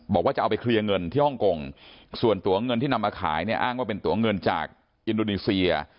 บอกว่าจะเอาไปเคลียร์เงินที่ฮ่องกงส่วนตัวเงินที่นำมาขายเนี่ยอ้างว่าเป็นตัวเงินจากอินโดนีเซีย